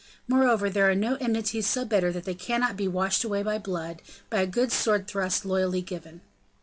Moreover, there are no enmities so bitter that they cannot be washed away by blood, by a good sword thrust loyally given."